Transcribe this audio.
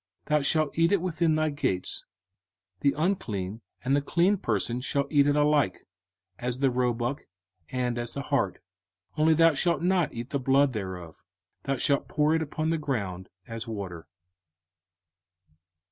05:015:022 Thou shalt eat it within thy gates: the unclean and the clean person shall eat it alike, as the roebuck, and as the hart. 05:015:023 Only thou shalt not eat the blood thereof; thou shalt pour it upon the ground as water.